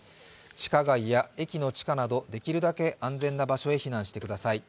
地下街や駅の地下など、できるだけ安全な場所へ避難してください。